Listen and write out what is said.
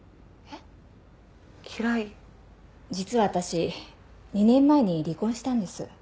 実は私２年前に離婚したんです。